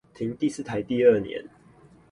停第四台第二年